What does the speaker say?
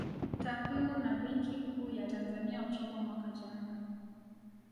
Takwimu na Benki Kuu ya Tanzania Oktoba mwaka jana